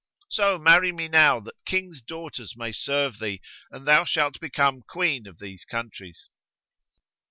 So marry me now, that Kings' daughters may serve thee and thou shalt become Queen of these countries."